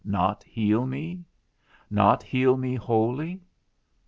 not heal me? not heal me wholly?